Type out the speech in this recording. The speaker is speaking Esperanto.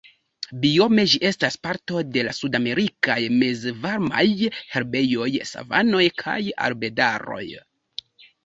Biome ĝi estas parto de la sudamerikaj mezvarmaj herbejoj, savanoj kaj arbedaroj.